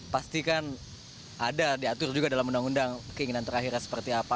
pastikan ada diatur juga dalam undang undang keinginan terakhirnya seperti apa